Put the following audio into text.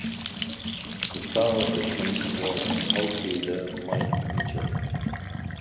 The star of the team was outfielder Mike Mitchell.